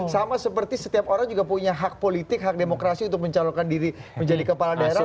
sama seperti setiap orang juga punya hak politik hak demokrasi untuk mencalonkan diri menjadi kepala daerah